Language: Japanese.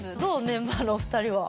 メンバーのお二人は。